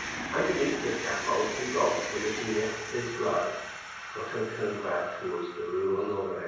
Underneath the scaffold some dogs were licking yesterday's blood, Brotteaux turned back towards the Rue Honoré.